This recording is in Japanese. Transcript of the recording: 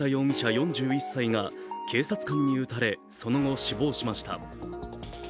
４１歳が警察官に撃たれその後死亡しました。